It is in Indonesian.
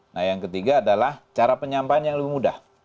nah yang ketiga adalah cara penyampaian yang lebih mudah